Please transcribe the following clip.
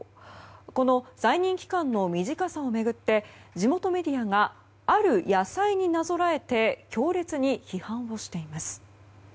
この在任期間の短さを巡って地元メディアがある野菜になぞらえて強烈に批判をしています。